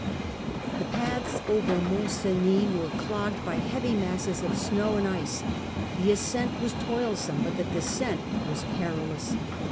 The paths over Mont Cenis were clogged by heavy masses of snow and ice. The ascent was toilsome, but the descent was perilous.